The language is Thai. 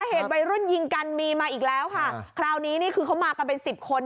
เหตุวัยรุ่นยิงกันมีมาอีกแล้วค่ะคราวนี้นี่คือเขามากันเป็นสิบคน